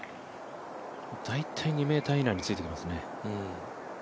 大体２ｍ以内についてきますね。